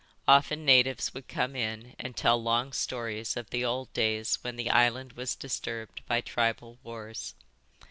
Often natives would come in and tell long stories of the old days when the island was disturbed by tribal wars.